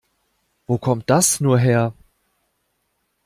Wo kommt das nur her?